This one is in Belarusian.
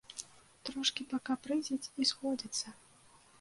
Трошкі пакапрызіць і згодзіцца!